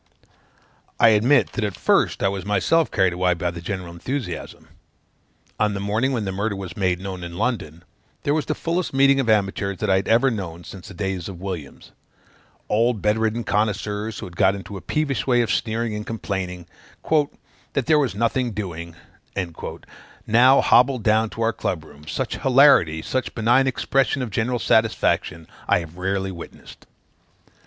I admit that at first I was myself carried away by the general enthusiasm. On the morning when the murder was made known in London, there was the fullest meeting of amateurs that I have ever known since the days of Williams; old bed ridden connoisseurs, who had got into a peevish way of sneering and complaining "that there was nothing doing," now hobbled down to our club room: such hilarity, such benign expression of general satisfaction, I have rarely witnessed.